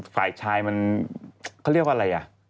ฝ่ายชายมันเขาเรียกว่าอะไรอ่ะ